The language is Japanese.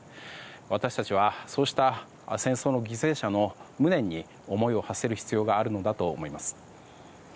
私たちはそうした戦争の犠牲者の無念に思いをはせる必要があるのだと思います。